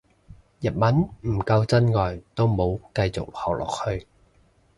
日文唔夠真愛都冇繼續學落去